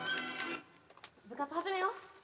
部活始めよう。